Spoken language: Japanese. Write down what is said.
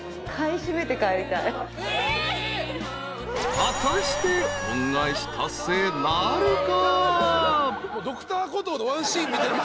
［果たして恩返し達成なるか？］